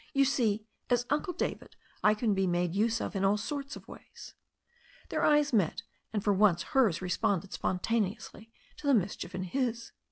You see, as Uncle David^ I can be made use of in all sorts of ways." Their eyes met, and for once hers responded spon taneously to the mischief in his.